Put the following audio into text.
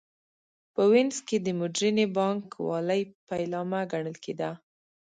په وینز کې د موډرنې بانک والۍ پیلامه ګڼل کېده